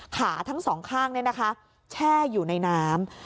ขาทั้งสองข้างแช่อยู่ในน้ำ